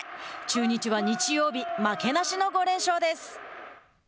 中日は日曜日負けなしの５連勝です。